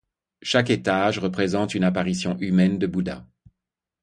Chaque étage représente une apparition humaine de Bouddha.